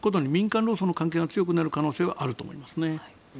民間労組との関係が強くなる可能性はあると思いますね。